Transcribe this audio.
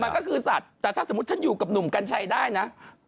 แต่ถ้าเฝ้าความสุดถูกฉันยูเป็นหนุ่มกัญชัยได้น่ะ